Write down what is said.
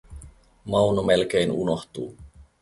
Mauno melkein unohtuu.